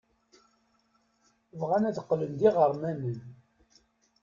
Bɣan ad qqlen d iɣermanen.